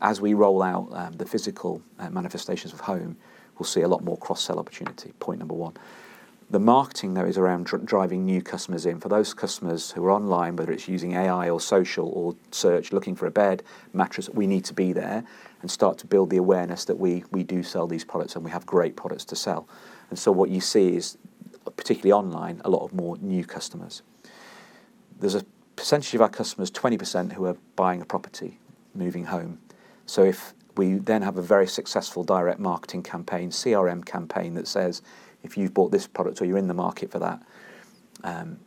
As we roll out the physical manifestations of home, we'll see a lot more cross-sell opportunity, point number one. The marketing though is around driving new customers in. For those customers who are online, whether it's using AI or social or search, looking for a bed, mattress, we need to be there and start to build the awareness that we do sell these products and we have great products to sell. What you see is, particularly online, a lot more new customers. There's a percentage of our customers, 20%, who are buying a property, moving home. If we then have a very successful direct marketing campaign, CRM campaign that says, if you've bought this product or you're in the market for that,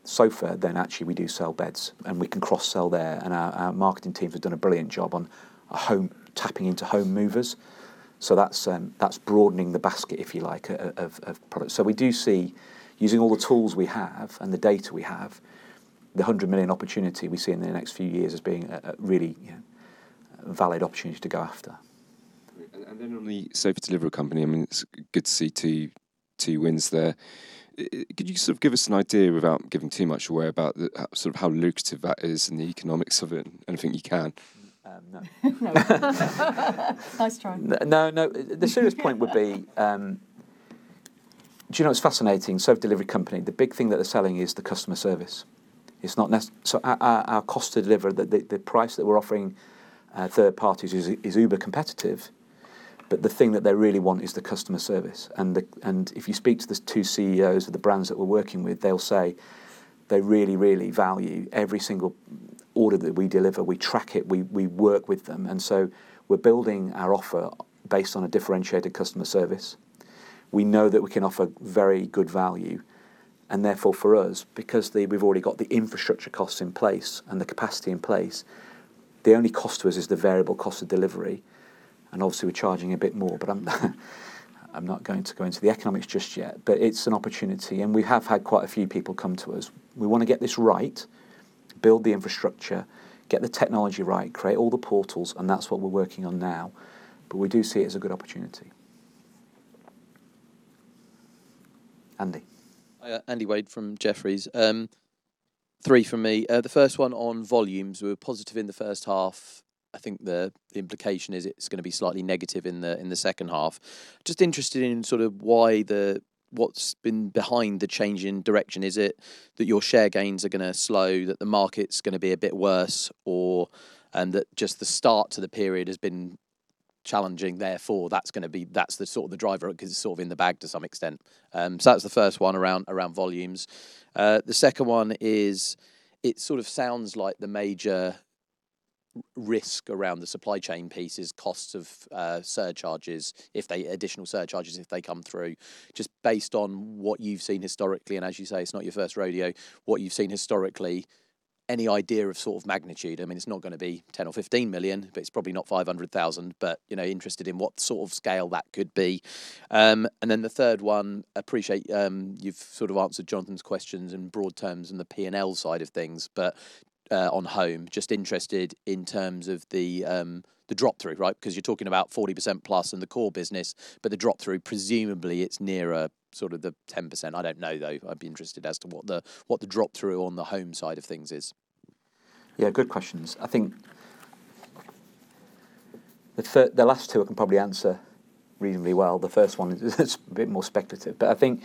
sofa, then actually we do sell beds and we can cross-sell there. Our marketing teams have done a brilliant job tapping into home movers. That's broadening the basket, if you like, of products. We do see, using all the tools we have and the data we have, the 100 million opportunity we see in the next few years as being a really valid opportunity to go after.
On the Sofa Delivery Company, I mean, it's good to see two wins there. Could you sort of give us an idea without giving too much away about sort of how lucrative that is and the economics of it? Anything you can.
No.
Nice try.
No, no. The serious point would be. Do you know, what's fascinating, Sofa Delivery Company, the big thing that they're selling is the customer service. It's not necessarily. Our cost to deliver, the price that we're offering third parties is super competitive. But the thing that they really want is the customer service. If you speak to the two CEOs of the brands that we're working with, they'll say they really, really value every single order that we deliver. We track it, we work with them. We're building our offer based on a differentiated customer service. We know that we can offer very good value, and therefore for us, because we've already got the infrastructure costs in place and the capacity in place, the only cost to us is the variable cost of delivery. Obviously, we're charging a bit more, but I'm not going to go into the economics just yet. It's an opportunity, and we have had quite a few people come to us. We wanna get this right, build the infrastructure, get the technology right, create all the portals, and that's what we're working on now. We do see it as a good opportunity. Andy?
Hi. Andrew Wade from Jefferies. Three from me. The first one on volumes. We were positive in the first half. I think the implication is it's gonna be slightly negative in the second half. Just interested in sort of why what's been behind the change in direction. Is it that your share gains are gonna slow, that the market's gonna be a bit worse or and that just the start to the period has been challenging, therefore that's the sort of the driver 'cause it's sort of in the bag to some extent. So that was the first one around volumes. The second one is, it sort of sounds like the major risk around the supply chain piece is costs of surcharges additional surcharges if they come through. Just based on what you've seen historically, and as you say, it's not your first rodeo, any idea of sort of magnitude? I mean, it's not gonna be 10 million or 15 million, but it's probably not 500,000. You know, interested in what sort of scale that could be. Then the third one, appreciate you've sort of answered Jonathan's questions in broad terms in the P&L side of things. On home, just interested in terms of the drop-through, right? 'Cause you're talking about 40% plus in the core business, but the drop-through, presumably it's nearer sort of the 10%. I don't know, though. I'd be interested as to what the drop-through on the home side of things is.
Yeah, good questions. I think the last two I can probably answer reasonably well. The first one is a bit more speculative. I think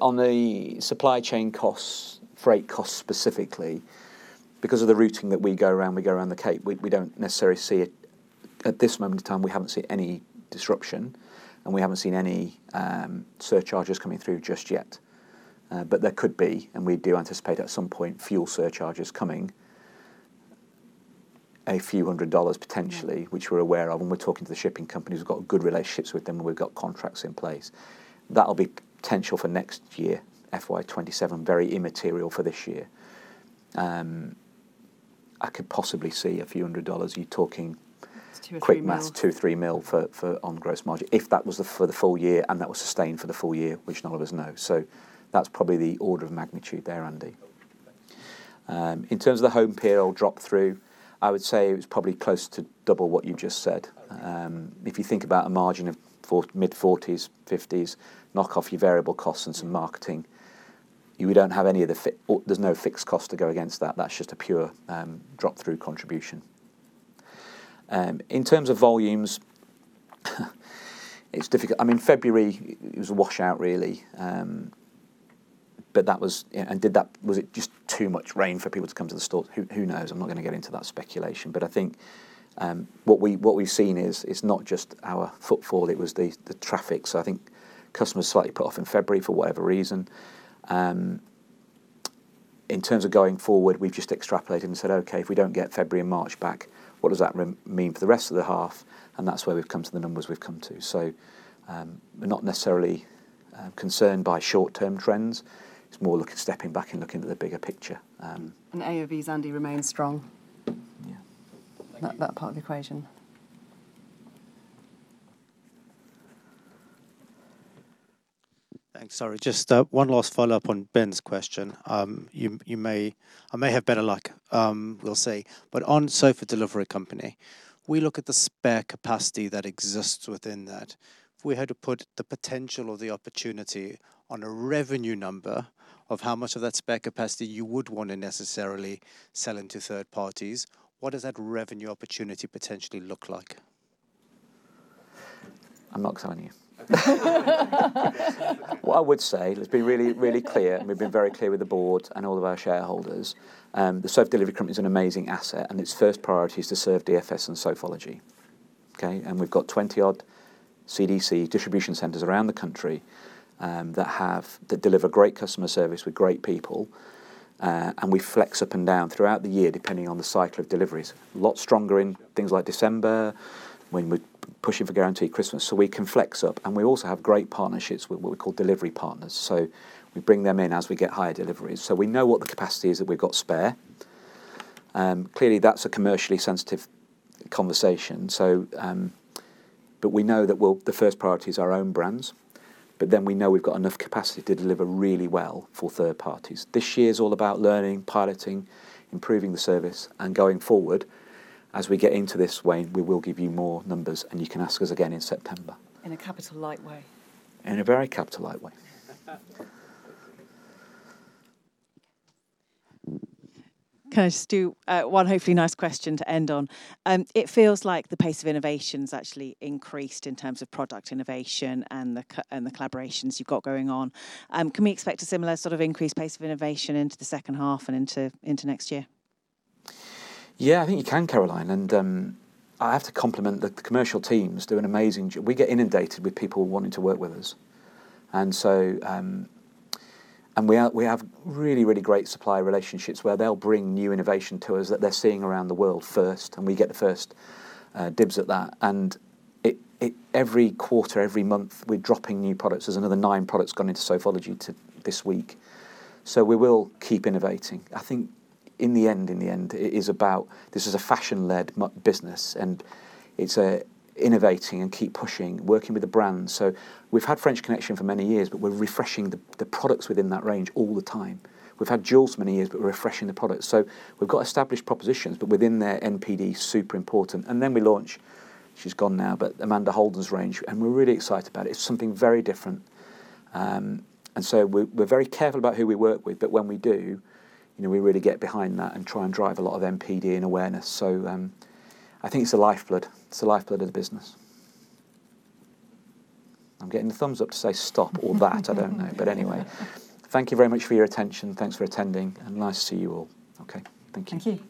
on the supply chain costs, freight costs specifically, because of the routing that we go around the Cape, we don't necessarily see it. At this moment in time, we haven't seen any disruption, and we haven't seen any surcharges coming through just yet. But there could be, and we do anticipate at some point fuel surcharges coming, a few hundred dollars potentially, which we're aware of, and we're talking to the shipping companies. We've got good relationships with them, and we've got contracts in place. That'll be potential for next year, FY 2027. Very immaterial for this year. I could possibly see a few hundred dollars. You're talking.
2 million-3 million.
Quick math, 2 million-3 million on gross margin, if that was for the full year, and that was sustained for the full year, which none of us know. That's probably the order of magnitude there, Andy. In terms of the home PL drop-through, I would say it was probably close to double what you just said. If you think about a margin of mid-40s%-50s%, knock off your variable costs and some marketing, you don't have any of the fixed costs to go against that. That's just a pure drop-through contribution. In terms of volumes, it's difficult. I mean, February it was a washout really. That was just too much rain for people to come to the store. Who knows? I'm not gonna get into that speculation. I think what we've seen is, it's not just our footfall, it was the traffic. I think customers slightly put off in February for whatever reason. In terms of going forward, we've just extrapolated and said, "Okay, if we don't get February and March back, what does that mean for the rest of the half?" That's where we've come to the numbers we've come to. We're not necessarily concerned by short-term trends. It's more look at stepping back and looking at the bigger picture.
AOVs, Andy, remain strong.
Yeah.
That part of the equation.
Thanks. Sorry, just one last follow-up on Ben's question. I may have better luck, we'll see. On Sofa Delivery Company, we look at the spare capacity that exists within that. If we had to put the potential or the opportunity on a revenue number of how much of that spare capacity you would wanna necessarily sell into third parties, what does that revenue opportunity potentially look like?
I'm not telling you. What I would say, let's be really, really clear, and we've been very clear with the board and all of our shareholders, the Sofa Delivery Company's an amazing asset, and its first priority is to serve DFS and Sofology. Okay? We've got 20-odd CDC distribution centers around the country, that deliver great customer service with great people. We flex up and down throughout the year, depending on the cycle of deliveries. A lot stronger in things like December when we're pushing for guaranteed Christmas, so we can flex up. We also have great partnerships with what we call delivery partners, so we bring them in as we get higher deliveries. We know what the capacity is that we've got spare. Clearly that's a commercially sensitive conversation. We know that the first priority is our own brands, but then we know we've got enough capacity to deliver really well for third parties. This year's all about learning, piloting, improving the service, and going forward. As we get into this, Wayne, we will give you more numbers, and you can ask us again in September.
In a capital-light way.
In a very capital-light way.
Can I just do one hopefully nice question to end on? It feels like the pace of innovation's actually increased in terms of product innovation and the collaborations you've got going on. Can we expect a similar sort of increased pace of innovation into the second half and into next year?
Yeah, I think you can, Caroline. I have to compliment the commercial teams. We get inundated with people wanting to work with us. We have really, really great supplier relationships where they'll bring new innovation to us that they're seeing around the world first, and we get the first dibs at that. Every quarter, every month, we're dropping new products. There's another 9 products gone into Sofology this week. We will keep innovating. I think in the end, it is about this is a fashion-led business, and it's innovating and keep pushing, working with the brands. We've had French Connection for many years, but we're refreshing the products within that range all the time. We've had Joules many years, but we're refreshing the products. We've got established propositions, but within their NPD, super important. We launch, she's gone now, but Amanda Holden's range, and we're really excited about it. It's something very different. We're very careful about who we work with, but when we do, you know, we really get behind that and try and drive a lot of NPD and awareness. I think it's the lifeblood of the business. I'm getting the thumbs up to say stop all that. I don't know. Anyway, thank you very much for your attention. Thanks for attending and nice to see you all. Okay. Thank you.
Thank you.